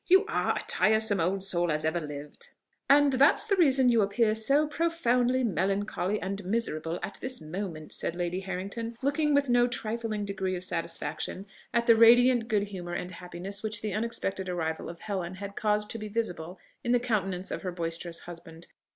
You are a tiresome old soul as ever lived!" "And that's the reason you appear so profoundly melancholy and miserable at this moment," said Lady Harrington, looking with no trifling degree of satisfaction at the radiant good humour and happiness which the unexpected arrival of Helen had caused to be visible in the countenance of her boisterous husband.